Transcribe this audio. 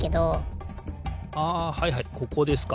あはいはいここですか。